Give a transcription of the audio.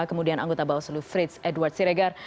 kemudian anggota bawaslu frits edward siregar